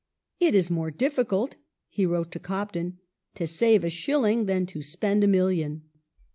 "It is moi e difficult," he wrote to Cobden, "to save a shilling than to spend a million."